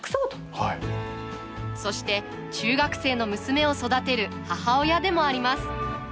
そして中学生の娘を育てる母親でもあります